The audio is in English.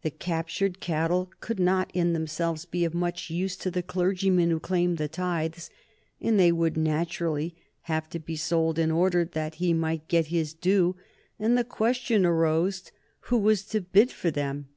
The captured cattle could not in themselves be of much use to the clergyman who claimed the tithes, and they would naturally have to be sold in order that he might get his due, and the question arose who was to bid for them.